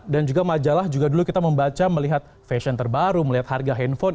dan juga majalah juga dulu kita membaca melihat fashion terbaru melihat harga handphone